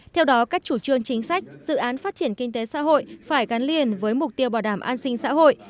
theo đó các chủ trương chính sách dự án phát triển kinh tế xã hội phải gắn liền với mục tiêu bảo đảm an sinh xã hội